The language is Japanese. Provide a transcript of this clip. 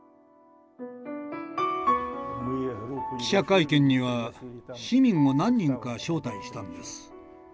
記者会見には市民を何人か招待したんです。